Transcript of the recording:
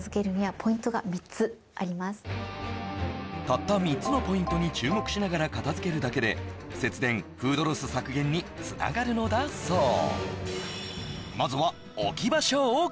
たった３つのポイントに注目しながら片づけるだけで節電・フードロス削減につながるのだそう